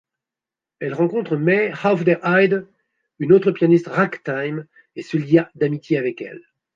Elle rencontra May Aufderheide, une autre pianiste ragtime et se lia d'amitié avec elle.